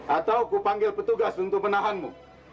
atau kupanggil petugas untuk menahanmu